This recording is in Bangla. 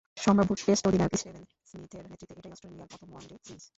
সম্ভাব্য টেস্ট অধিনায়ক স্টিভেন স্মিথের নেতৃত্বে এটাই অস্ট্রেলিয়ার প্রথম ওয়ানডে সিরিজ।